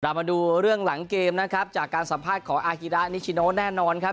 มาดูเรื่องหลังเกมนะครับจากการสัมภาษณ์ของอาฮิระนิชิโนแน่นอนครับ